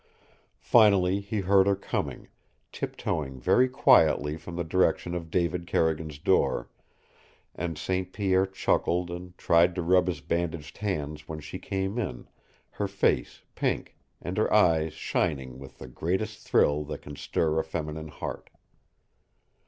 Finally he heard her coming, tiptoeing very quietly from the direction of David Carrigan's door, and St. Pierre chuckled and tried to rub his bandaged hands when she came in, her face pink and her eyes shining with the greatest thrill that can stir a feminine heart.